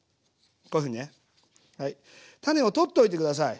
こういうふうにねはい種を取っておいて下さい。